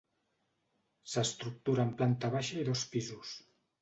S'estructura en planta baixa i dos pisos.